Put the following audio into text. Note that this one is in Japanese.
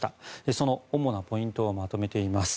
その主なポイントをまとめています。